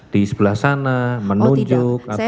di sebelah sana menunjuk atau